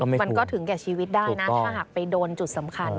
มันก็ถึงแก่ชีวิตได้นะถ้าหากไปโดนจุดสำคัญ